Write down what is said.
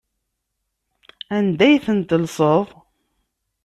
Anda ay ten-tellseḍ?